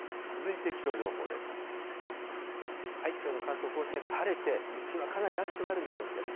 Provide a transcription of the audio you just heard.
きょうの関東甲信越、晴れて、日中はかなり暑くなる見込みです。